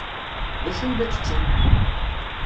D acu ay la ttetten?